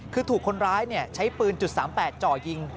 คือถูกคนร้ายใช้ปืน๓๘จ่อยิง